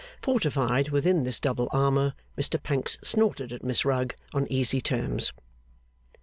Fortified within this double armour, Mr Pancks snorted at Miss Rugg on easy terms.